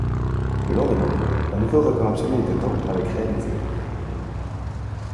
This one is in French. Le lendemain, un nouveau record absolu est atteint avec réalisés.